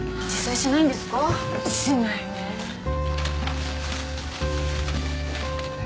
しないねえ。